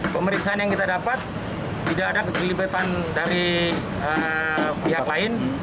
pemeriksaan yang kita dapat tidak ada keterlibatan dari pihak lain